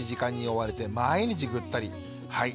はい。